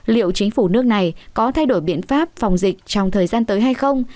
liệu chính phủ nước này có thay đổi biện pháp phòng dịch trong thời gian tới hay không